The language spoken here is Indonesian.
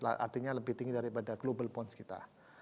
artinya lebih tinggi daripada global bonds kita